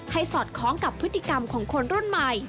สอดคล้องกับพฤติกรรมของคนรุ่นใหม่